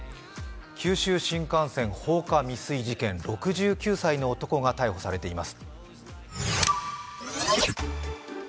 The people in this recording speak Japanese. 九州新幹線放火未遂事件、６９歳の男が逮捕されています。